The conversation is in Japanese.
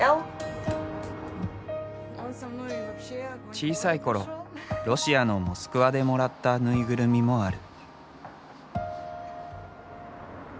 小さい頃ロシアのモスクワでもらった縫いぐるみもある。